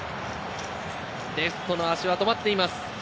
レフトの足は止まっています。